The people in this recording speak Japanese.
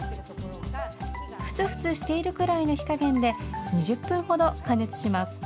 ふつふつしているくらいの火加減で２０分程加熱します。